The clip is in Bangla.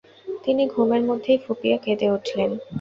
তিনি ঘুমের মধ্যেই ফুঁপিয়ে কোঁদে উঠলেন।